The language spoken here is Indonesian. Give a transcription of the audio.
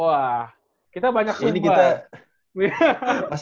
wah kita banyak subuh